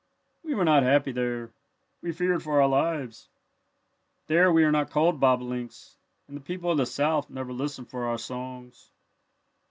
"We were not happy there. We feared for our lives. There we are not called bobolinks and the people of the South never listen for our songs.